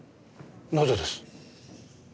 なぜです？